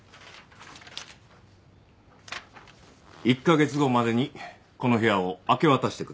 １カ月後までにこの部屋を明け渡してください。